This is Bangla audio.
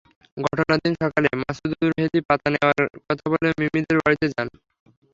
ঘটনার দিন সকালে মাসুদুর মেহেদি পাতা নেওয়ার কথা বলে মিমিদের বাড়িতে যান।